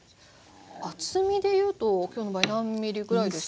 厚みでいうと今日の場合何ｍｍぐらいですか？